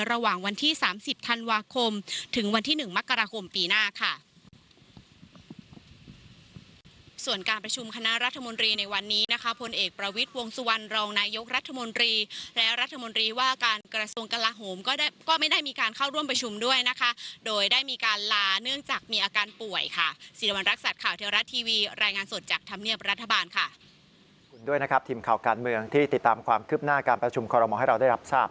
ระหว่างวันที่๓๐ธันวาคมถึงวันที่๑มกราคมปีหน้าค่ะ